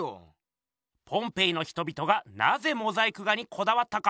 ポンペイの人々がなぜモザイク画にこだわったか？